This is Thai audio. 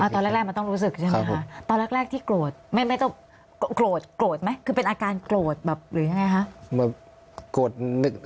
ตอนแรกมันต้องรู้สึกใช่ไหมครับตอนแรกที่โกรธโกรธไหมคือเป็นอาการโกรธหรือยังไงคะ